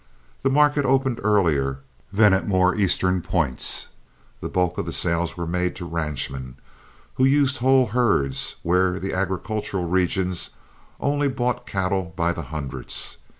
The market opened earlier than at more eastern points. The bulk of the sales were made to ranchmen, who used whole herds where the agricultural regions only bought cattle by the hundreds.